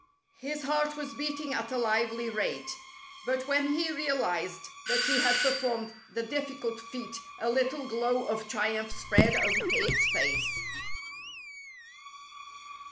His heart was beating at a lively rate, but when he realized that he had performed the diffi cult feat a little glow of triumph spread over his face.